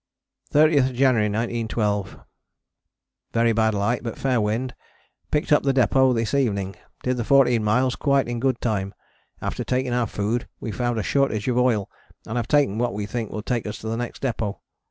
30th January 1912. Very bad light but fair wind, picked up the depôt this evening. Did the 14 miles quite in good time, after taking our food we found a shortage of oil and have taken what we think will take us to the next depôt.